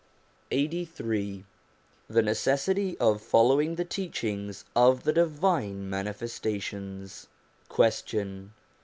LXXXIII THE NECESSITY OF FOLLOWING THE TEACH INGS OF THE DIVINE MANIFESTATIONS Question.